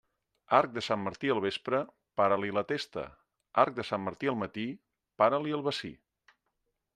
Arc de Sant Martí al vespre, para-li la testa; arc de Sant Martí al matí, para-li el bací.